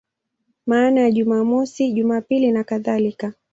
Maana ya Jumamosi, Jumapili nakadhalika.